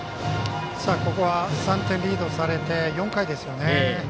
ここは、３点リードされて４回ですよね。